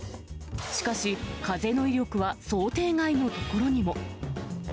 しかし、風の威力は、想定外の所にも。